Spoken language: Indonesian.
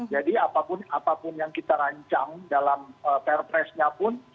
jadi apapun yang kita rancang dalam perpresnya pun